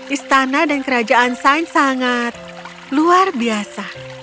istana dan kerajaan sains sangat luar biasa